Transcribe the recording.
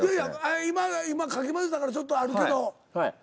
今かき混ぜたからちょっとあるけど。